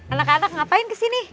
eh anak dua ngapain kesini